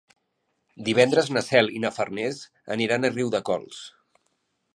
Divendres na Cel i na Farners aniran a Riudecols.